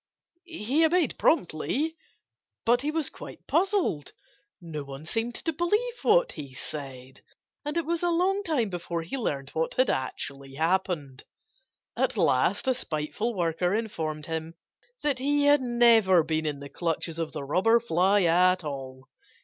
He obeyed promptly. But he was quite puzzled. No one seemed to believe what he said. And it was a long time before he learned what had actually happened. At last a spiteful worker informed him that he had never been in the clutches of the Robber Fly at all.